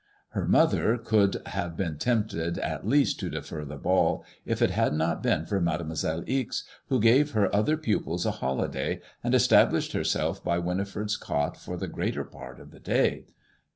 Her mother would have been tempted at least to defer the ball, if it had not been for Mademoiselle Ixe, who gave her other pupils a holiday and es* tablished herself by Winifred's cot for the greater part of the day.